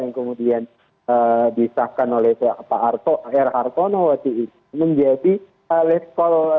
yang kemudian disahkan oleh pak r hartono wati'i menjadi let call